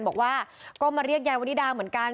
บอกว่าก็มาเรียกยายวนิดาเหมือนกัน